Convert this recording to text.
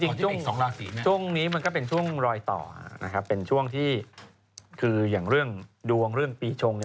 จริงช่วงนี้มันก็เป็นช่วงรอยต่อเป็นช่วงที่คืออย่างเรื่องดวงเรื่องปีชง